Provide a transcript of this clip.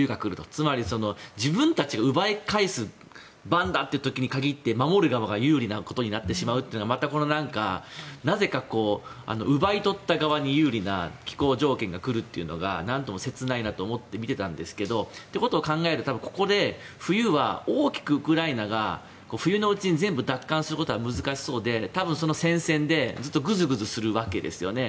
つまり、自分たちが奪い返す番だという時に限って守る側が有利なことになってしまうのはなぜか奪い取った側に有利な気候条件が来るというのが何とも切ないなと思って見ていたんですがということを考えるとここで冬は大きくウクライナが冬のうちに全部奪還することは難しそうでずっとその戦線でぐずぐずするわけですよね。